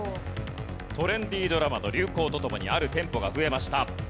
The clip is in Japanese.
トレンディードラマの流行と共にある店舗が増えました。